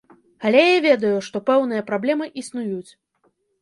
Але я ведаю, што пэўныя праблемы існуюць.